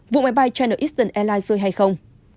vụ máy bay china eastern airlines rơi hay không